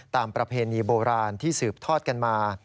ประเพณีโบราณที่สืบทอดกันมา